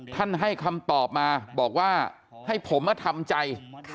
ท่านให้คำตอบมาบอกว่าให้ผมมาทำใจ